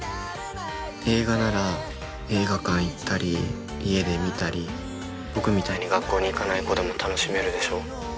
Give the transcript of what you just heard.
映画なら映画館行ったり家で見たり僕みたいに学校に行かない子でも楽しめるでしょ